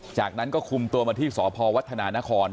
จากนั้นก็คุมตัวมาที่สพวัฒนานคร